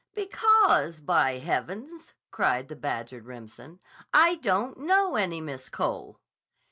"Because, by Heavens!" cried the badgered Remsen, "I don't know any Miss Cole."